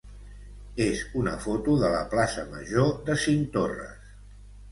és una foto de la plaça major de Cinctorres.